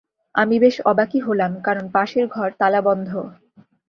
আমি বেশ অবাকাই হলাম, কারণ পাশের ঘর তালাবন্ধ।